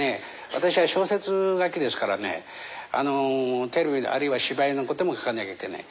私は小説書きですからねテレビあるいは芝居のことも書かなきゃいけない。